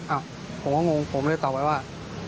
อาจจะมองมากกว่าผมเลยตอบไว้ว่า